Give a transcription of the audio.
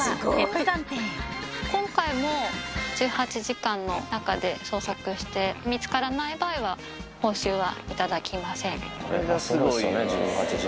今回も１８時間の中で捜索して、見つからない場合は報酬は頂きません。